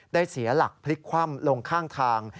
เสียหลักพลิกคว่ำลงข้างทาง